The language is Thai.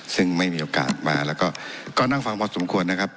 ซึ่งไม่มีโอกาสมาแล้วก็นั่งฟังพอสมควรนะครับ